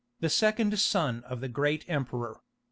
the second son of the great emperor.